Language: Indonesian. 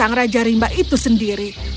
dan singa sang raja rimba itu sendiri